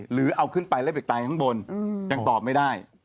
หรือเอาขึ้นไปแล้วไปตายข้างบนยังตอบไม่ได้